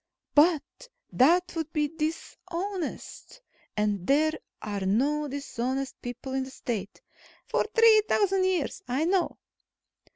"But that would be dishonest. And there are no dishonest people in the State." "For three thousand years. I know."